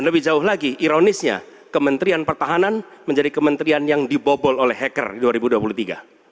lebih jauh lagi ironisnya kementerian pertahanan menjadi kementerian yang dibobol oleh hacker di dua ribu dua puluh tiga